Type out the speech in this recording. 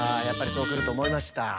やっぱりそうくるとおもいました。